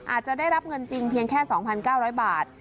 อาจจะได้รับเงินจริงเพียงแค่๒๙๐๐บาท